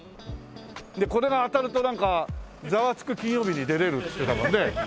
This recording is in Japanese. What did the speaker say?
でこれが当たるとなんか『ザワつく！金曜日』に出れるって言ってたもんね。